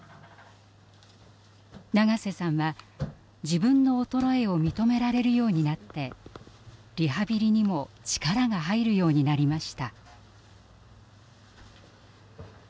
長瀬さんは自分の衰えを認められるようになってリハビリにも力が入るようになりました。